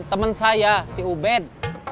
temen saya si ubed